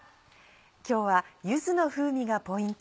今日は柚子の風味がポイント